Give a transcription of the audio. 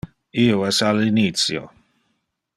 Io es al initio.